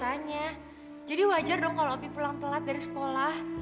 jadi wajar m longer seratus an jadi wajar dong kalo opi pulang telat dari sekolah